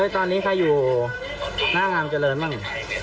ตอนนี้ใครอยู่หน้างามเจริญบ้าง